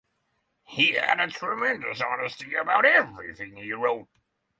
He had a tremendous honesty about everything he wrote.